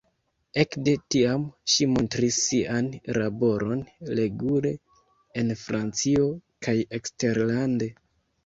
Ekde tiam, ŝi montris sian laboron regule en Francio kaj eksterlande.